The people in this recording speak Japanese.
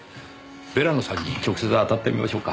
ヴェラノさんに直接当たってみましょうか。